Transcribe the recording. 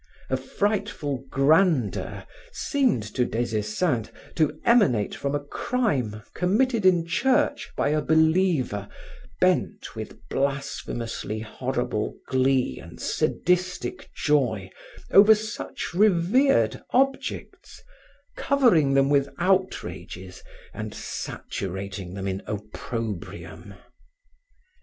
A frightful grandeur seemed to Des Esseintes to emanate from a crime committed in church by a believer bent, with blasphemously horrible glee and sadistic joy, over such revered objects, covering them with outrages and saturating them in opprobrium.